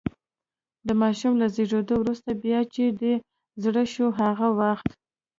د ماشوم له زېږېدو وروسته، بیا چې دې زړه شو هغه وخت.